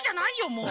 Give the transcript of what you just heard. もう。